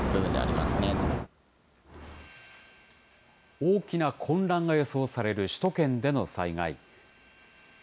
大きな混乱が予想される首都圏での災害。